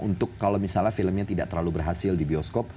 untuk kalau misalnya filmnya tidak terlalu berhasil di bioskop